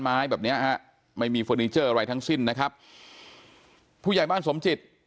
แบบเนี้ยฮะไม่มีเฟอร์นิเจอร์อะไรทั้งสิ้นนะครับผู้ใหญ่บ้านสมจิต